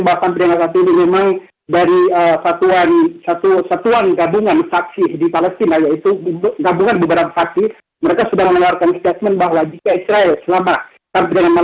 pertanyaan yang saya ingin mengatakan adalah dari satuan gabungan saksi di palestina yaitu gabungan beberapa saksi mereka sudah menawarkan statement bahwa jika israel selama saat ini